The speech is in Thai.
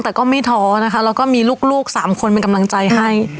แต่ก็ไม่ท้อนะคะแล้วก็มีลูก๓คนเป็นกำลังใจให้